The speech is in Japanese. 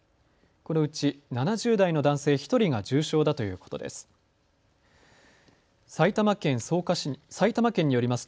このうち７０代の男性１人が重症だということです。